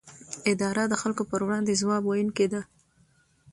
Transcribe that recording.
اداره د خلکو پر وړاندې ځواب ویونکې ده.